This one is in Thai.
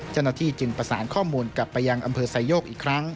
เจ้าหน้าที่จึงประสานข้อมูลกลับไปยังอำเภอไซโยกอีกครั้ง